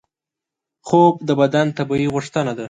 خوب د بدن طبیعي غوښتنه ده